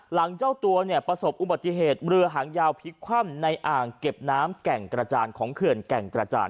เจ้าตัวเนี่ยประสบอุบัติเหตุเรือหางยาวพลิกคว่ำในอ่างเก็บน้ำแก่งกระจานของเขื่อนแก่งกระจาน